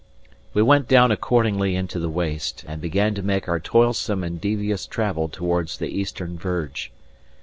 We went down accordingly into the waste, and began to make our toilsome and devious travel towards the eastern verge.